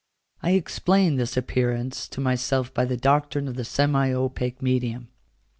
I explained this appearance to myself by the doctrine of the semi opaque medium.